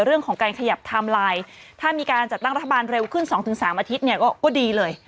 เรื่องของการขยับไทม์ไลน์ถ้ามีการจัดตั้งรัฐบาลเร็วขึ้น๒๓อาทิตย์เนี่ยก็ดีเลย